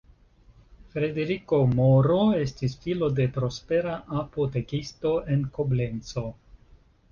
Frederiko Moro estis filo de prospera apotekisto en Koblenco.